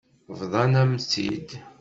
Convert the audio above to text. Bḍan-am-tt-id.